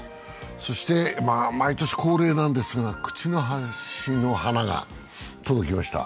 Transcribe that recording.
そして毎年恒例なんですがくちなしの花が届きました。